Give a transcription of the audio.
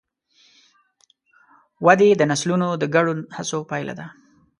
ودې د نسلونو د ګډو هڅو پایله ده.